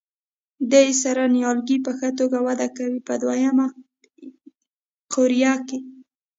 دې سره نیالګي په ښه توګه وده کوي په دوه یمه قوریه کې.